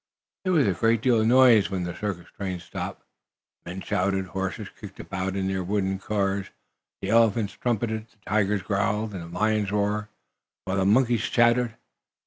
There was a great deal of noise when the circus train stopped. Men shouted, horses kicked about in their wooden cars, the elephants trumpeted, the tigers growled, the lions roared, while the monkeys chattered.